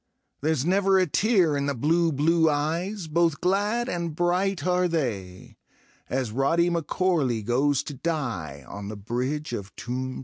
There's never a tear in the blue, blue eyesj Both glad and bright are they — As R(^y M'Corl^ goes to die On the Bridge of 'nx>me to day.